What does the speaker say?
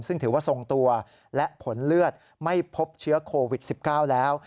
ซึ่งถือว่าทรงตัวและผลเลือดไม่พบเชื้อโควิด๑๙แล้ว